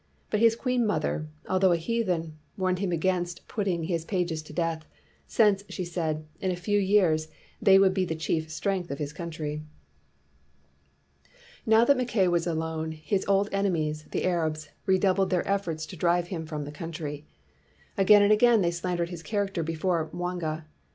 But his queenmother, although a heathen, warned him against putting his pages to death; since, she said, in a few years they would be the chief strength of his country. Now that Mackay was alone, his old enemies, the Arabs, redoubled their efforts to drive him from the country. Again and again they slandered his character before Mwanga.